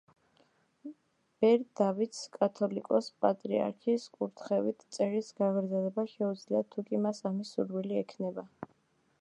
ბერ დავითს, კათოლიკოს-პატრიარქის კურთხევით, წერის გაგრძელება შეუძლია, თუკი მას ამის სურვილი ექნება.